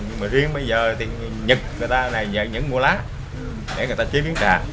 nhưng mà riêng bây giờ thì nhật người ta lại nhận mua lá để người ta chế biến trà